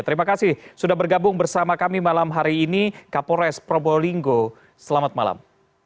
terima kasih sudah bergabung bersama kami malam hari ini kapolres probolinggo selamat malam